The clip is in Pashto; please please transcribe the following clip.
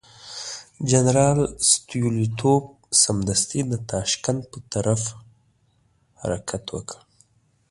جنرال ستولیتوف سمدستي د تاشکند پر لور حرکت وکړ.